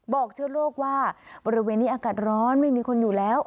เชื้อโรคว่าบริเวณนี้อากาศร้อนไม่มีคนอยู่แล้ว